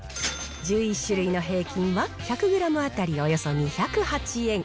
１１種類の平均は１００グラム当たりおよそ２０８円。